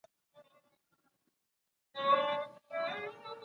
هيڅوک دا حق نلري، چي ښځه له کار څخه منع کړي.